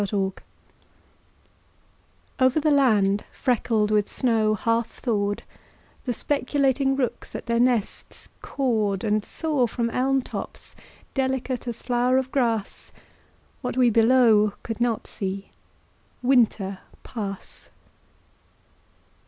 THAW OVER the land freckled with snow half thawed The speculating rooks at their nests cawed And saw from elm tops, delicate as flower of grass, What we below could not see, Winter pass.